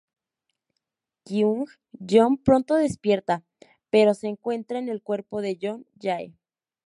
Kyung Joon pronto despierta, pero se encuentra en el cuerpo de Yoon Jae.